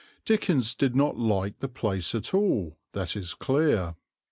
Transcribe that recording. Dickens did not like the place at all, that is clear.